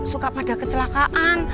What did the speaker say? suka pada kecelakaan